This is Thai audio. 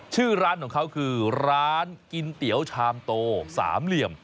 ชื่อร้านของเขาคือร้านกินเตี๋ยวชามโตสามเหลี่ยม